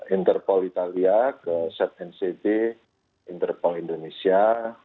interpol italia ke satnct interpol indonesia